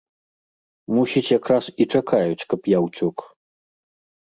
Мусіць, якраз і чакаюць, каб я ўцёк.